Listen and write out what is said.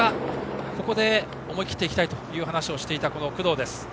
ここで思い切って行きたいと話をしていた工藤。